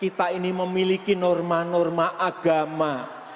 kita ini memiliki norma norma agama